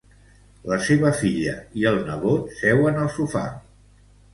La seva filla i el nebot seuen al sofà.